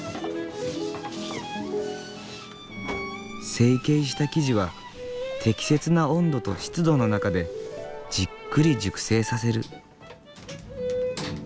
成形した生地は適切な温度と湿度の中でじっくり熟成させる。